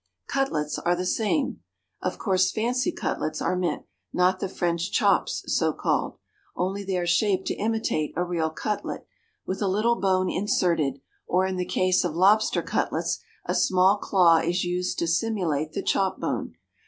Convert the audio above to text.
Cutlets are the same (of course fancy cutlets are meant, not the French chops, so called), only they are shaped to imitate a real cutlet, with a little bone inserted; or, in the case of lobster cutlets, a small claw is used to simulate the chop bone.